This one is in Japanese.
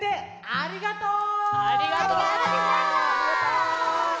ありがとう！